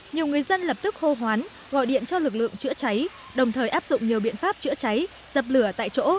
nhiều người dân lập tức hô hoán gọi điện cho lực lượng chữa cháy đồng thời áp dụng nhiều biện pháp chữa cháy dập lửa tại chỗ